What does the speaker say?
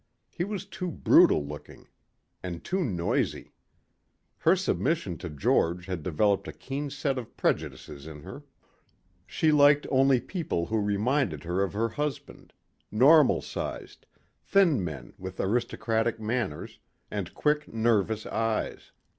He was too brutal looking. And too noisy. Her submission to George had developed a keen set of prejudices in her. She liked only people who reminded her of her husband normal sized, thin men with aristocratic manners, and quick nervous eyes.